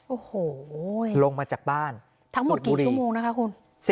โอ้โหลงมาจากบ้านทั้งหมดกี่ชั่วโมงนะคะคุณ